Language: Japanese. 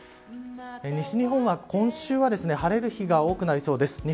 西日本は今週は晴れる日が多くなりそうです。